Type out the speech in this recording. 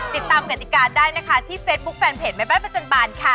ติดตามกติกาได้นะคะที่เฟซบุ๊คแฟนเพจแม่บ้านประจันบาลค่ะ